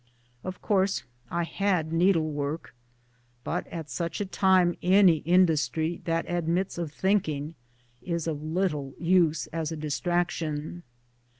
Of course I had needle work, but at such a time any industry that admits of thinking is of little use as a distraction.